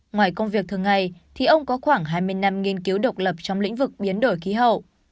ngoài công việc thường ngày thì ông có khoảng hai mươi năm nghiên cứu độc lập trong lĩnh vực biến đổi khí hậu